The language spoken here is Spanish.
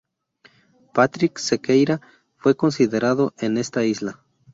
Patrick Sequeira fue considerado en esta lista.